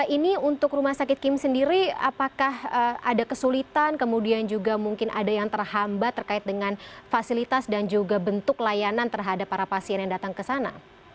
ini untuk rumah sakit kim sendiri apakah ada kesulitan kemudian juga mungkin ada yang terhambat terkait dengan fasilitas dan juga bentuk layanan terhadap para pasien yang datang ke sana